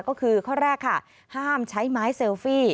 ก็คือข้อแรกค่ะห้ามใช้ไม้เซลฟี่